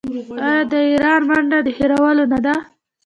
آیا د ایران ونډه د هیرولو نه ده؟